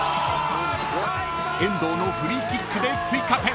［遠藤のフリーキックで追加点］